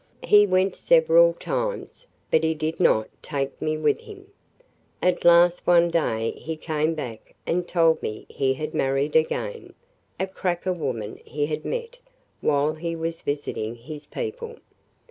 He went several times, but he did not take me with him. At last one day he came back and told me he had married again – a 'cracker' woman he had met while he was visiting his people.